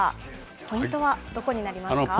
ポイントはどこになりますか。